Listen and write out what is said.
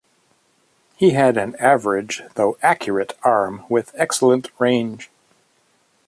He had an average, though accurate, arm with excellent range.